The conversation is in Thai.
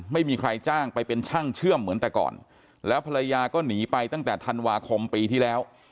ไม่มีใครจ้างไปเป็นช่างเชื่อมเหมือนแต่ก่อนแล้วภรรยาก็หนีไปตั้งแต่ธันวาคมปีที่แล้ว